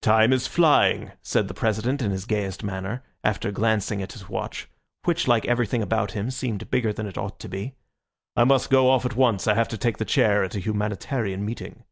"Time is flying," said the President in his gayest manner, after glancing at his watch, which like everything about him seemed bigger than it ought to be. "I must go off at once; I have to take the chair at a Humanitarian meeting."